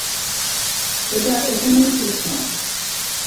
এটা এখানেই শেষ নয়।